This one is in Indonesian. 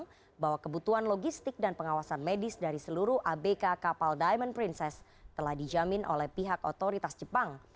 menunjukkan bahwa kebutuhan logistik dan pengawasan medis dari seluruh abk kapal diamond princess telah dijamin oleh pihak otoritas jepang